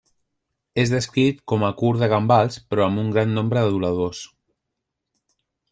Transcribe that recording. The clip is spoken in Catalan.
És descrit com a curt de gambals però amb un gran nombre d'aduladors.